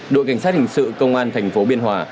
đội cảnh sát hình sự công an tp biên hòa